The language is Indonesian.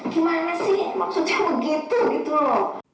gimana sih maksudnya begitu gitu loh